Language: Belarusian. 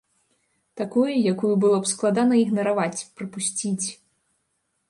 Такой, якую было б складана ігнараваць, прапусціць.